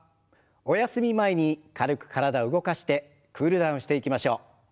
おやすみ前に軽く体を動かしてクールダウンしていきましょう。